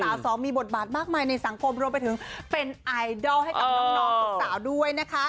สองมีบทบาทมากมายในสังคมรวมไปถึงเป็นไอดอลให้กับน้องสาวด้วยนะคะ